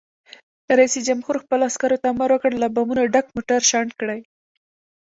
رئیس جمهور خپلو عسکرو ته امر وکړ؛ له بمونو ډک موټر شنډ کړئ!